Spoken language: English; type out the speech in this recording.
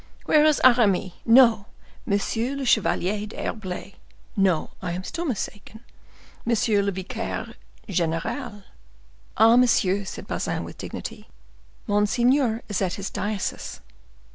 Where is Aramis—no, M. le Chevalier d'Herblay—no, I am still mistaken—Monsieur le Vicaire General?" "Ah, monsieur," said Bazin, with dignity, "monseigneur is at his diocese."